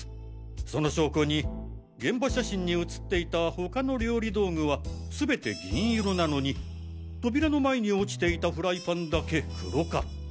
その証拠に現場写真に写っていた他の料理道具は全て銀色なのに扉の前に落ちていたフライパンだけ黒かった。